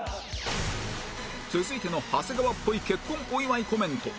続いての長谷川っぽい結婚お祝いコメント